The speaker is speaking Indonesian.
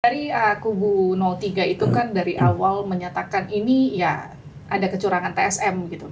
dari kubu tiga itu kan dari awal menyatakan ini ya ada kecurangan tsm gitu